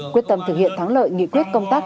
quyết tâm thực hiện thắng lợi nghị quyết công tác